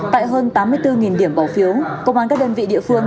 tại hơn tám mươi bốn điểm bỏ phiếu công an các đơn vị địa phương